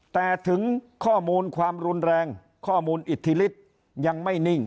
แต่ถึงข้อมูลความรุนแรงข้อมูลอิทธิฤทธิ์ยังไม่นิ่ง